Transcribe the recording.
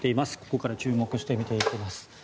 ここから注目して見ていきます。